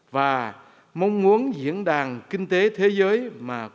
và mong muốn diễn đàn kinh tế thế giới mà của chúng tôi